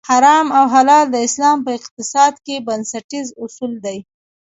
حرام او حلال د اسلام په اقتصاد کې بنسټیز اصول دي.